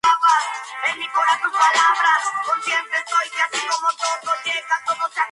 Este club pertenece a la Superliga de Suiza.